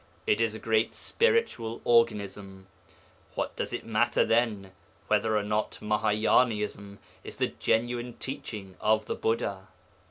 It is a great spiritual organism. What does it matter, then, whether or not Mahâyânaism is the genuine teaching of the Buddha?'